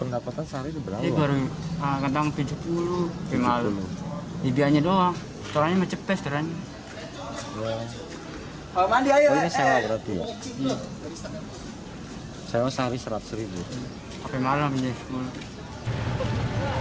dibianya doang setelahnya mencepes